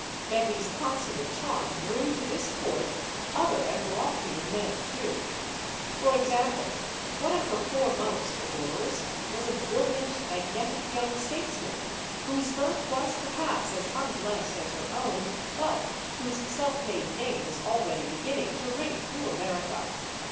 Betty's consummate charm drew to this court other and loftier men, too. For example, one of her foremost adorers was a brilliant, magnetic young statesman whose birth was perhaps as unblest as her own, but whose self made name was already beginning to ring through America.